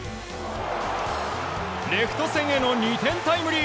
レフト線への２点タイムリー！